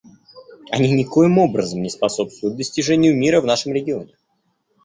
Они никоим образом не способствуют достижению мира в нашем регионе.